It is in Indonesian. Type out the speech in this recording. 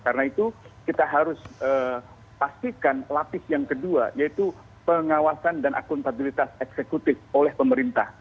karena itu kita harus pastikan lapis yang kedua yaitu pengawasan dan akuntabilitas eksekutif oleh pemerintah